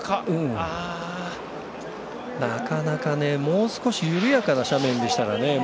なかなかもう少し緩やかな斜面でしたからね。